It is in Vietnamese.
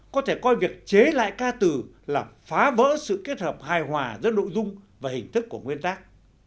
có thể coi việc chế lại ca từ là phá vỡ sự kết hợp hài hòa giữa nội dung và hình thức của nguyên tác